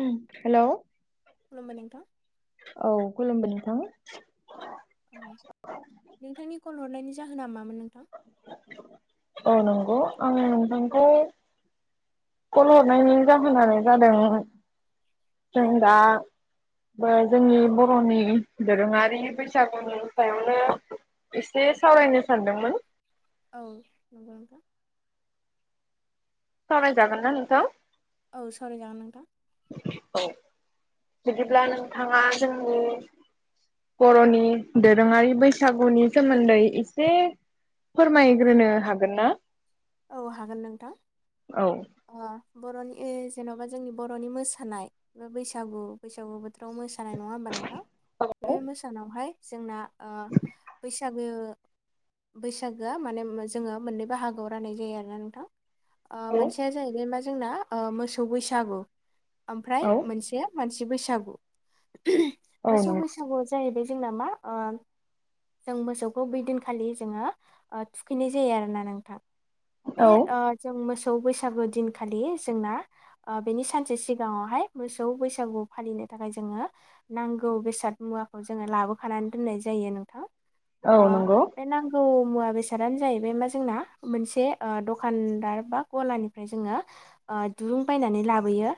उम हेल' खुलुमबाय नोंथां औ खुलुमबाय नोंथां औ नोंथांनि कल हरनायनि जाहोना मामोन नोंथां औ नंगौ आं नोंथांखौ कल हरनायनि जाहोनानो जादों जों दा बा जोंनि बर'नि दोरोङारि बैसागुनि सायावनो एसे सावरायनो सानदोंमोन औ नंगौ नोंथां सावराय जागोनना नोंथा? औ सावरायरि जागोन नोंथां औ बिदिब्ला नोंथाङा जोंनि बर'नि दोरोङारि बैसागुनि सोमोन्दै इसे फोरमायग्रोनो हागोन ना औ हागोन नोंथां। औ ओ बर'नि जेनबा जोंनि बरनि मोसानाय बा बैसागु बैसागु बोथोराव मोसा मोसानाय नङा होमबा नोंथां बे मोसानायावहाय जोंना ओ बैसागो बैसागोआ माने जोङो मोननै बााहागोआव रायनाय जायो आरोना नोंथां ओ मोनसेया जाहैबाय मा ओ जोंना मोसौ बैसागु ओमफ्राय औ मोनसे बैसागु औ मोसौ नंगौ बैसागुआ जाहैबाय जोंना मा ओ जों मोसौखौ बै दिनखालि जोङो ओ थुखैनाय जायो आरोना नोंथां बे औ आ जों मोच मोसौ बैसागु दिनखालि जोंना बेनि सानसे सिगाङावहाय मोसौ बैसागु फालिनो नि थाखाय जोङो नांगौ बेसाद मुवाखौ जोङो लाबोखानानै दोननाय जायो नोंथां औ ओ नंगौ बे नांगौ मुवा बेसादानो जाहैबाय मा जोंना मोनसे ओ दखानदार बा गलानिफ्राय जोङो ओ दुरुं बायनानै लाबोयो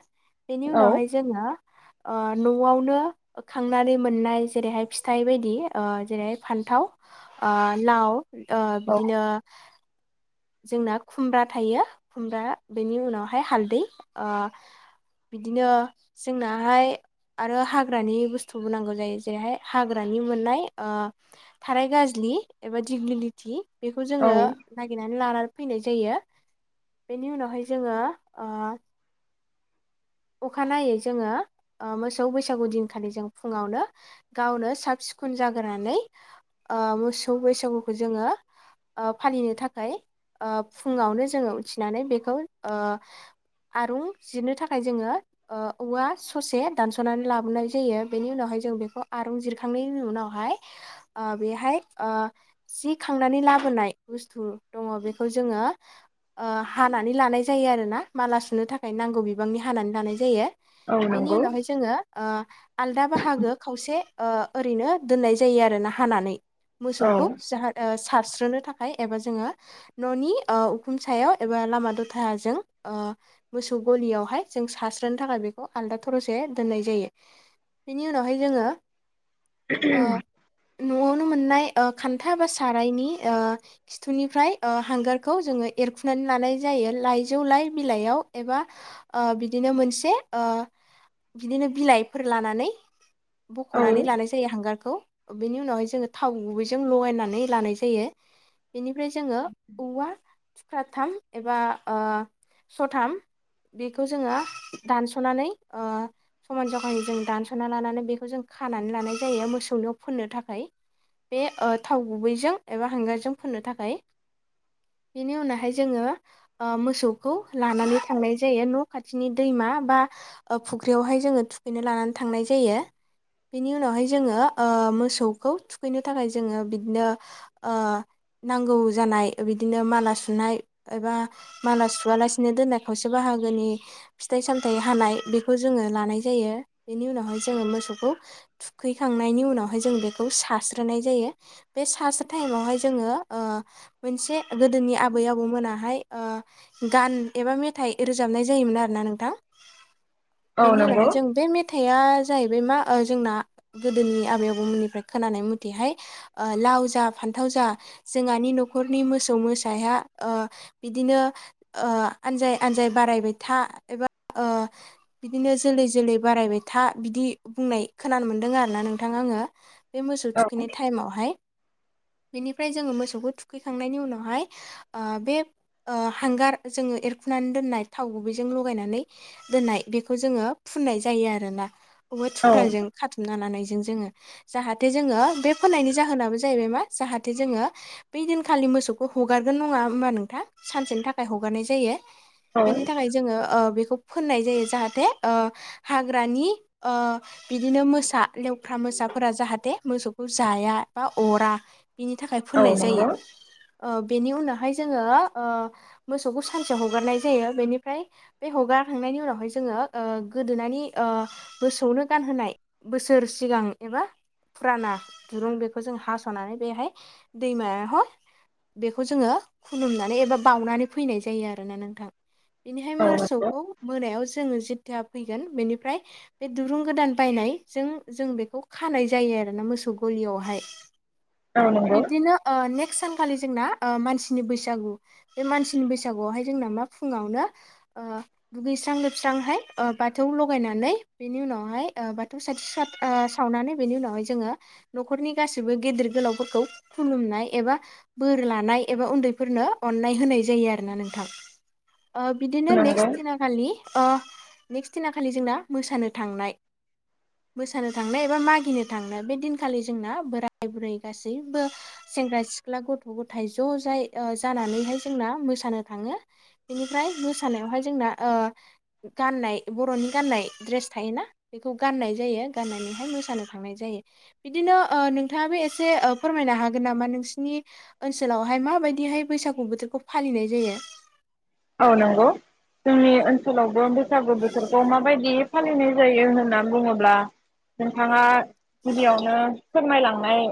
बेनि औ उनावहाय जोङो ओ नआवनो खांनानै मोननाय जेरैहाय फिथाइ बायदि जेरैहाय फान न्थाव ओ लाव बिदिनो जोंना खुमब्रा थायो खुमब्रा बेनि उनावहाय हालदै ओ बिदिनो जोंनाहाय आरो हाग्रानि बुस्थुबो नांगौ जायो जेरैहाय हाग्रानि मोननाय ओ थाराय गाज्लि लि एबा दिग्लिलिति बेखौ औ जोङो औ नागिरनानै लानानै फैनाय जायो बेनि उनावहाय जोङो ओ अखानायै जोङो ओ मोसौ बैसागु दिनखालि जों फुङावनो गावनो साबसि सुखोन जाग्रानै ओ मोसौ बैसागुखौ जोङो ओ फालिनो थाखाय ओ‌ फुङावनो जोङो उथिनानै बेखौ‌ ओ आरुं जिरनो थाखा जोङो ओ औवा ससे दानसनानै लाबोनाय जायो बेनि उनावहाय जों बेखौ आरुं‌ जिराखां नायनि उनावहाय ओ बेहाय ओ थि खांनानै लाबोनाय बुस्थु। दङ बेखौ ओ जोङो हानानै लानाय जायो आरोना माला सुनो थाखाय नांगौ बे बिबांनि हानानै लानाय जायो औ बेनि नंगौ उनावहाय जोङो आलदा बाहागो खावसे ओ ओरैनो दोननाय जायो आरोना हानानै औ मोसौखौ जाहा ओ सारस्रोनो थाखाय एबा जोङो‌‌ ओ ननि उखुम सायाव एबा लामा दथाजों ओ मोसौ गलियावहाय जों सारस्रोनो थाखाय बेखौ आलदा थरसे दोननाय जायो। बेनि उनावहाय जोङो ओ [unintelligible] नआवनो मोननाय ओ खान्था बा सारायनि खिथुनिफ्राय ओ हांगारखौ जोङो एरखुनानै लानाय जायो लाइजौ लाइ बिलाइयाव एबा ओ बिदिनो मोनसे ओ बिदिनो बिलाइफोर लानानै औ बखनानै लानाय जायो हांगार खौ बेनि उनावहाय जोङो थाव गुबैजों लगायनानै लानाय जायो। बेनिफ्राय जोङो औवा थुख्राथाम एबा ओ सथाम। बेखौ जोङो दानसनानै ओ समान जगानि जों दानसना लानानै बेखौ जों खानो नानै लानाय जायो मोसौनियाव फोननो थाखाय। बे ओ थाव गुबैजों एबा हांगारजों फोननो थाखाय। बेनि उनावहाय जोङो ओ मोसौखौ लानानै थांनाय जायो। जायो न खाथिनि दैमा बा फुख्रियावहाय जोङो थुखैनो लानानै थांनाय जायो। बेनि उनावहाय जोङो ओ मोसौखौ थुखैनो थाखाय जोङो बिदिनो ओ नांगौ जानाय बिदिनो माला सुनाय एबा माला सुवालासिनो दोननायखौावसे से बाहागोनि फिथाइ सामथाइ हानाय बेखौ जोङो लानाय जायो बेनि उनावहाय जोङो मोसौखौ थुखैखांनायनि उनावहाय जों बेखौ सारस्रोनाय जायो बे सारस टाइमावहाय जोङो ओ- मोनसे गोदोनि आबै आबौ मोनाहाय ओ- गान एबा मेथाइ रोजाबनाय जायोमोन आरोोना नोंथां औ बेनि नंगौ उनावहाय जों बे मेथाइआ जाहैबाय मा जों गोनि आब खोन मथेहाय ओ लाव फथाव जा जोंहानि न'रनि मोसौ मोसाया ओ बिदिनो ओ आन आनजाय बारायबाय था एबा ओ- बिदिनो जोलै जोलै बारायबाय था बिदि आ बुंनाय खोनानो मोन्दों आरोोना नोंथां आङो बे मोसौ औ थुखैनाय टाइमावहाय। बेनिफ्राय जोङो मोसौखौ थुखैखांनायनि उनावहाय ओ बे हांगार जोङो ए हाबनानै दोननाय थाव गुबैजों लगायनानै दोननाय बेखौ जोङो फुननाय जायो आरोना। बबा थुख्राजों खाथुमनाानानै जों जाहाथे जोङो बे फोननायनि जाहोनाबो जाहैबायमा जाहाथे जोङो बे दिनखालि मोस फिसौखौ हगारगोन नङा होमबा नोंथां सानसेनि थाखाय हगारनाय जायो। औ बेनि थाखाय जोङो ओ- बेखौ फनाय जायो जाहाथे ओ- हाग्रानि ओ- बिदिनो मोसा लेवफ्रा म फोसाफोरा जाहाथे मोसौखौ जाया बा अरा बिनि थाखाय फोननाय औ जायो नंगौ ओ- बेनि उनावहाय जोङो ओ- मोसौखौ स हगारनाय जायो बेनिफ्राय बे हगार खांनायनि उनावहाय जोङो ओ- गोदोनानि ओ- गोसोआवनो गानहोनाय बोसोर सिगां एबा फुराना दुरुं बेखौ जों हास'नानै बेहाय दैमायावाह बेखौ जोङो खुलुमनानै एबा बावउनानै फैनाय जायो आरो ना नोंथां बेनिहाय औ नंगौ औ नंगौ मोसौखौ मोनायाव जोो जथा फैगोन बेनिफ्राय बे दुरुं गोदान बायनायजों जों बेखौ खानाय जायो। यो आरोना मोसैखौ एयावसाय औ बिब्दिनो ओ- ने सानखा जोंना ओ- मानसि बैसागु बे मानसिनि बैसागुाय जों मा फुङावनो ओ- दुगैस्रां लोबस्रांहाय बाथौ लगायनानै बेनि उ उनावहाय ओ- बाथौ साथि ओ- सावनानै बेनि उनावहाय जोङो न'खरनि गासिबो गेदेर गोलाव फो खौ खुलुमनाय एबा बोर लानाय एबा उन्दैफोरनो अननाय होनाय जायो आरो ना नोंथां ओ- बिदिनो नेक्स्ट नंगौ दिनाखालि ओ- नेक्स्ट दिना खालि जोंना मोसानो थांनाय मोसानो थांनो एबा मागिनो थांनो बे दिनखालि जोंना बोराय बुरै गासैबो सेंग्रा सिख्ला गथ' गथाय ज' जाय ओ- जानानैहाय जोंना मोसानो थाङो बेनिफ्राय मोसानायावहाय जोंना ओ- गाननाय बर'नि गाननाय दड्रेस थायोना बेखौ गाननाय जायो गाननानैहाय मोसानो थांनाय जायो बिदिनो ओ- नोंथाङाबो एसे ओ- फो फोरमायनो हागोन नामा नोंसिोरनि ओनसोलावहाय माबायदिहाय बैसागु बोथोरखौ फालिनाय जायो औ नंगौ जोंनि ओनसोलावबो बैसागु बोथोरखौ माबायदि फालिनाय जायो होनना बुङोब्ला नोंथाङा गिबियावनो फोरमायलांनाय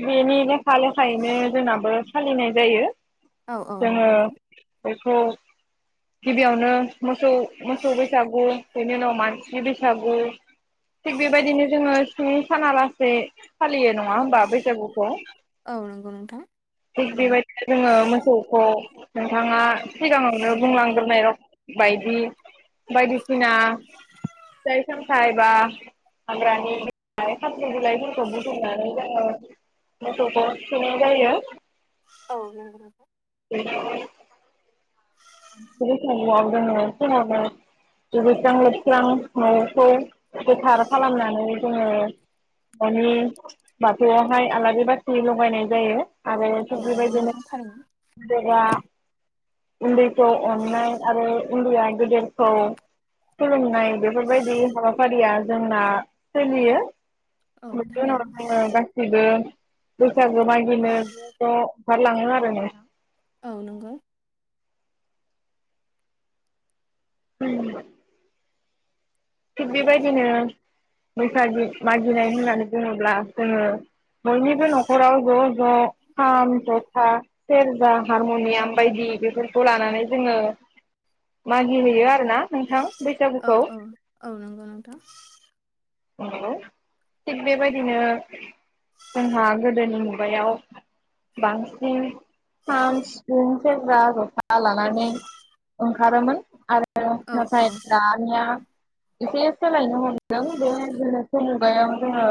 बेनि लेखा लेखायैनो जोंनाबो सालिनाय जायो। औ औ जोङो नंगौ नोंथां बेखौ गिबियावनो मोसौ मोसौ बैसागु बिनि उनाव मानसिनि बैसागु थिग बेबायदिनो जोङो सिङ साना लासे फालियो नङा हबा बैसागुखौ औ नंगौ नोंथां थिग थारैनो बेबायदिनो जोङो मोसौखौ बिथाङा सिगाङावनो बुंलांग्रोनाय बायदि बायदिसिना जायखोमखाायबा हाग्रानि बिला खाख्रि बिलाइफोरखौ बुथुमनानै जोङो मथ' ब थ जायोयो औ मा [unintelligible] [unintelligible] दुगैस्रां लोबस्रां न'खौ गोथार खालामनानै जोङो न'नि बाथौआवहाय आलारि बाथि लगायनाय जायो आरो औ थिग नंगौ बेबायदिनो नोंथां थारैनो जेब्ला उन्दै खौ अननाय आरो गोदेरखौ खुलुमनाय बेफोरबायदि हाबाफारिया जोंना सोलियो औ मोनसे थारैनो समाव जों गासैबो बैसागो मागिनो ज' ज' ओंखारलाङोन आरो नो औ नंगौ उम थिग बेबायदिनो बैसागि मागिनाय होननानै बुङोब्ला जोङो बयनिबो न'खराव ज' ज' खाम जथा सेरजा हारमनियाम बायदि बेफोरखौ लानानै जोङो मागि हैयो आरोना नोंथां औ बैसागुखौ औ औ नंगौ नोंथां नंगौ थिग बेबायदिनो जोंहा गोदोनि मुगायाव बांसिन खाम सिफुं सेरग्रा जथा लानानै ओंखारोमोन आरो औ औ नाथाय दानिया एसे सोलायनो हमदों बे गोनोखो मुगायाव जोंङो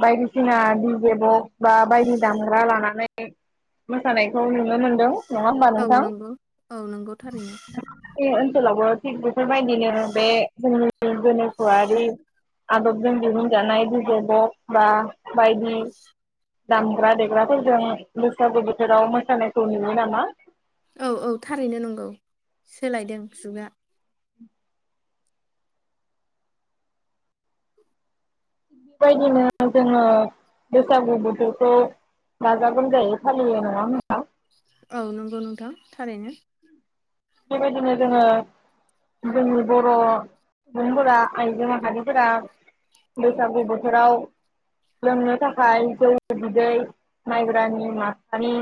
बायदिसिना दिजे बक्स बा बायदि दामग्रा लानानै मोसानायखौ नुनो मोनदों नङा होमबा औ नोंथां नंगौ औ नंगौ थारैनो ओनसोलावबो थिग बेफोरबायदिनो बे जोंनि गोनोखोआरि आदबजों दिहुन जानाय डिजे बक्स बा बायदि दामग्रा देग्राफोरजों बैसागो बोथोराव मोसानायखौ नुयो नामा औ औ थारैनो नंगौ सोलायदों जुगा। बायदिनो जोङो बैसागु बोथोरखौ गाजा गोमजायै फालियो नङा होमबा? औ नंगौ नोंथां थारैनो। बेबायायदिनो जोंङो जोंनि बर' सुबुंफोरा आइजो माहारिफोरा बैसागु बोथोराव लोंनो थाखाय जौ बिदै माइब्रानि माथानि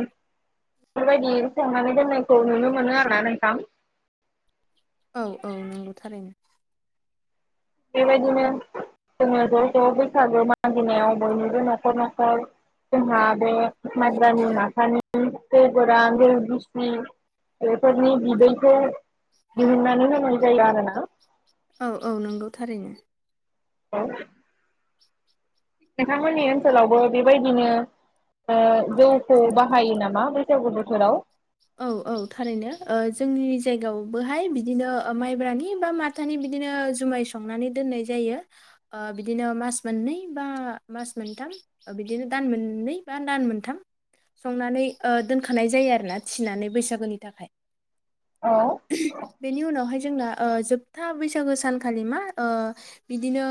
बेफोर बायदि संनानै दोननायखौ नुनो मोनो‌ आरो ना नोंथां। औ औ नंगौ थारैनो। बेबायदिनो जोङो ज' ज' बैसागो मागिनायाव बयनिबो न'खर न'खर जोंहा बे मायब्रानि माथानि जौ गोरान जौ गिसि बेफोरनि बिदैखौ दिहुननानै होनाय जायो आरोना। औ औ नंगौ थारैनो। औ नोंथांमोननि ओनसोलावबो बेबायदिनो ओ जौखौ बाहायो नामा बैसागु बोथोराव? औ औ थारैनो ओ जोंनि जायगायावबोहाय बिदिनो ओ माइब्रानि बा माथानि बि दिनो जुमाय संनानै दोननाय जायो ओ बिदिनो मास मोननै बा मास मोनथाम बिदिनो दान मोननै बा दान मोनथाम संनानै ओ दोनखानाय जायो आरोना थिनानै बैसागोनि थाखाय। औ। बेनि उनावहाय जोंना ओ जोबथा बैसागो सानखालि मा ओ बिदिनो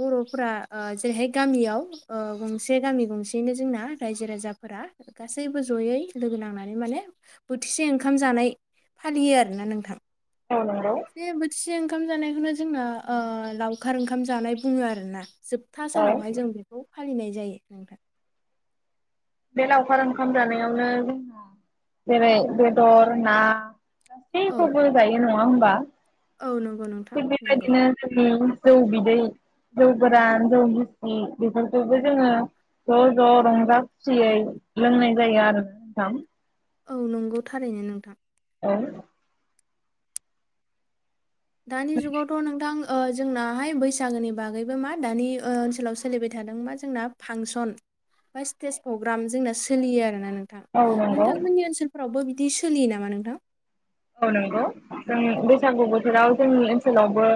बर'फोर फ्रा ओ जेरैहाय गामियाव ओ गंसे गामि गंसेैयैनो जोंना रायजो राजाफोरा गासै सैबो ज'यै लोगो नांनानै माने बोथिसे ओंखाम जानाय फालियो आरोना नोंथां। औ नंगौ। बे बोथिसे ओंखाम जानायखौनो जोंना ओ लावखार ओंखाम जानाय बुङो आरो ना। जोबथा औ सानावहाय जों बेखौ फालिनाय जायो। बे लावखार ओंखाम जानायावनो जों जेरै बेदर ना औ गासैखौबो औ जायो नङा हमबा औ नंगौ नोंथां थिग नंगौ बेबायदिनो जोंनि जौ बिदै जौ गोरान जौ गिसि बेफोरखौबो जोङो ज' ज' रंजा खुसियै लोंनाय जायो आरो नोंथां। औ नंगौ थारैनो नोंथां। औ। दानि जुगावथ' नोंथां ओ जोंनाहाय बैसागोनि बागैबो मा दानि ओ ओनसोलाव सोलिबाय थादों मा जोंना फांसन बा स्टेज प्रग्राम जोंना सोलियो आरोना नों नोंथां औ नंगौ नोंथांमोननि ओनसोलफोरावबो बिदि सोलियो नामा नोंथां? औ नंगौ जों बैसागु बोथोराव जोंनि ओनसोलावबो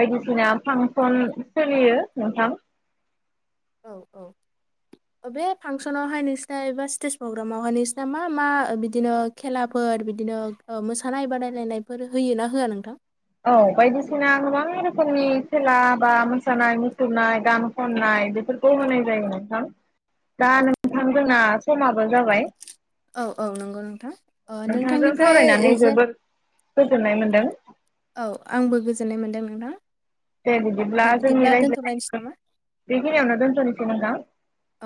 बायदिसिना फांसन सोलियो नोंथां। औ औ बे फांसनावहाय नोंसिना एबा स्टेज प्रग्रामावहाय नोंसना मा मा बिदिनो खेलाफोर बिदि नों ओ मोसानाय बादायलायनायफोर होयो ना होआ नोंथां? औ बायदिसिना गोबां रोखोमनि खेला बा मोसानाय मुसुरनाय गान खननाय नाय बेफोरखौ होनाय जायो नोंथां दा नोंथां जोंना समाबो जाबाय। औ औ नंगौ नोंथां ओ नोंथांजों नोंथांनिफ्राय सावरायनानै जे जोबोद गोजोननाय मोन्दों। औ आंबो गोजोननाय मोन्दों नोंथां। दे बिदिब्ला दे जोंनि बिदिब्ला दोनथ'लायनोसै राय्लायनायखौ नामा? बेखिनियावनो दोनथ'नोसै नोंथां।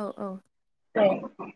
औ औ दे।